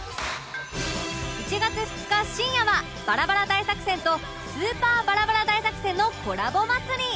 １月２日深夜はバラバラ大作戦とスーパーバラバラ大作戦のコラボ祭り